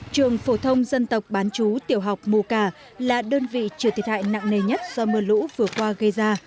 trường phổ thông dân tộc bán chú tiểu học mù cả là đơn vị chịu thiệt hại nặng nề nhất do mưa lũ vừa qua gây ra